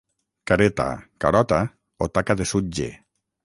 Careta, carota o taca de sutge.